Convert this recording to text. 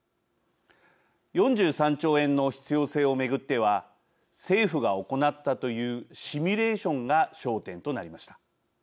４３兆円の必要性を巡っては政府が行ったというシミュレーションが焦点となりました。